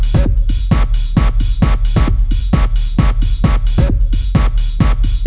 sebenarnya ada apaan sih